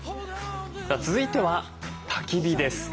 さあ続いてはたき火です。